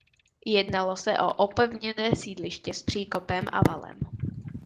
Jednalo se o opevněné sídliště s příkopem a valem.